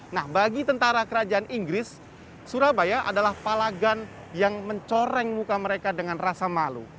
nah bagi tentara kerajaan inggris surabaya adalah palagan yang mencoreng muka mereka dengan rasa malu